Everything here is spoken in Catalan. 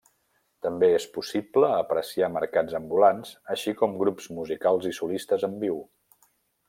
També és possible apreciar mercats ambulants així com grups musicals i solistes en viu.